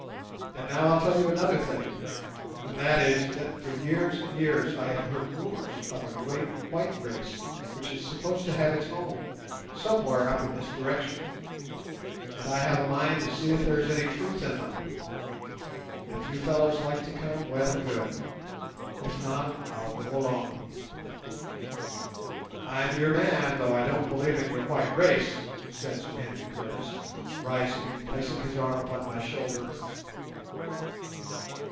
And now I'll tell you another thing, and that is, that for years and years I have heard rumours of a great white race which is supposed to have its home somewhere up in this direction, and I have a mind to see if there is any truth in them. If you fellows like to come, well and good; if not, I'll go alone." "I'm your man, though I don't believe in your white race," said Sir Henry Curtis, rising and placing his arm upon my shoulder.